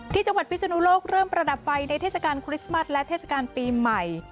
ที่จังหวัดพิศนุโลกเริ่มประดับไฟในเทศกาลคริสต์มัสและเทศกาลปีใหม่